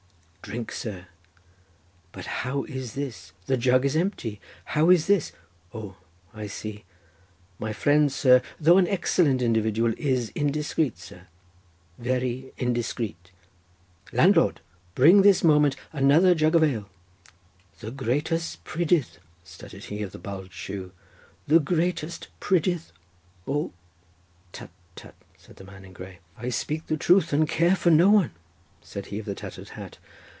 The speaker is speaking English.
Drink sir! but how is this? the jug is empty—how is this?—O, I see—my friend, sir, though an excellent individual, is indiscreet, sir—very indiscreet. Landlord, bring this moment another jug of ale." "The greatest prydydd," stuttered he of the bulged shoe—"the greatest prydydd—Oh—" "Tut, tut," said the man in grey. "I speak the truth and care for no one," said he of the tattered hat.